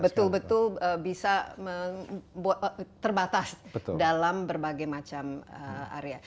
betul betul bisa terbatas dalam berbagai macam area